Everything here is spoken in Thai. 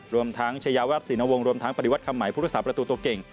รวมทั้งชายวัดสินวงรวมทั้งปฏิวัติคำใหม่พุทธศาสตร์ประตูตัวเก่ง